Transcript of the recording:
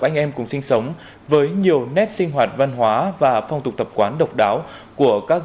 anh em cùng sinh sống với nhiều nét sinh hoạt văn hóa và phong tục tập quán độc đáo của các